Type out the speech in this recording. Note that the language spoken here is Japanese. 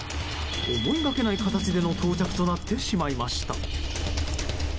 思いがけない形での到着となってしまいました。